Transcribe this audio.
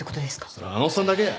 それあのおっさんだけや。